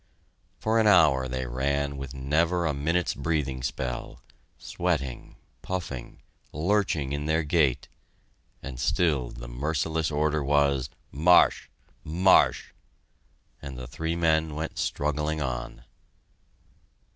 For an hour they ran with never a minute's breathing spell, sweating, puffing, lurching in their gait, and still the merciless order was "Marsch!" "Marsch!" and the three men went struggling on.